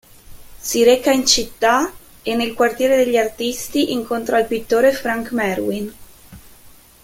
Si reca in città e, nel quartiere degli artisti, incontra il pittore Frank Merwin.